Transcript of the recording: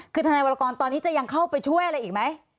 คือทนายวรกรตอนนี้จะยังเข้าไปช่วยอะไรอีกไหม